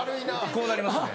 こうなりますね。